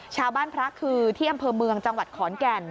พระคือที่อำเภอเมืองจังหวัดขอนแก่น